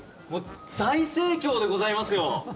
大盛況でございますよ。